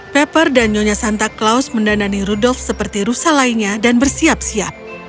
pepper dan nyonya santa claus mendandani rudolf seperti rusa lainnya dan bersiap siap